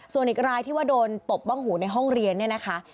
ส่วนอีกรายที่ว่าโดนตบบ้องหูในห้องเรียนเนี่ยนะคะ